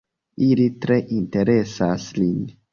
Ili tre interesas lin.